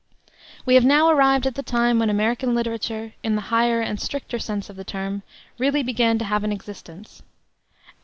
We have now arrived at the time when American literature, in the higher and stricter sense of the term, really began to have an existence.